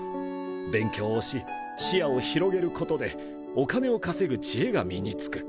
勉強をし視野を広げることでお金を稼ぐ知恵が身につく。